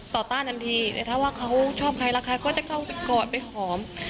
ต้านทันทีแต่ถ้าว่าเขาชอบใครรักใครก็จะเข้าไปกอดไปหอม